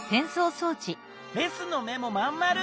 レスの目もまんまる。